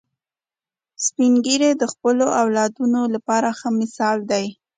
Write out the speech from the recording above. سپین ږیری د خپلو اولادونو لپاره ښه مثال دي